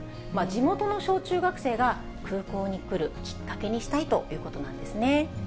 地元の小中学生が空港に来るきっかけにしたいということなんですね。